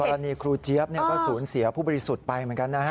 กรณีครูเจี๊ยบก็สูญเสียผู้บริสุทธิ์ไปเหมือนกันนะฮะ